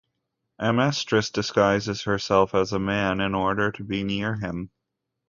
Amestris disguises herself as a man in order to be near him.